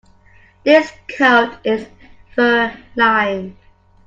This coat is fur-lined.